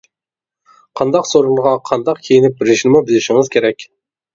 قانداق سورۇنغا قانداق كىيىنىپ بېرىشنىمۇ بىلىشىڭىز كېرەك.